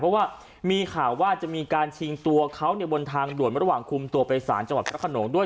เพราะว่ามีข่าวว่าจะมีการชิงตัวเขาบนทางด่วนระหว่างคุมตัวไปสารจังหวัดพระขนงด้วย